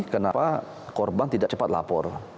kenapa korban tidak cepat lapor